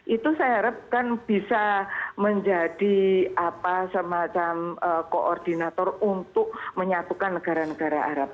itu saya harapkan bisa menjadi semacam koordinator untuk menyatukan negara negara arab